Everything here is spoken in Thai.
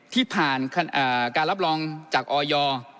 ที่ผ่านการรับรองจากออย